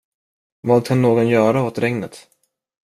Vad kan någon göra åt regnet?